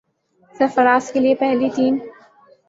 سرفراز کے لیے پہلی تین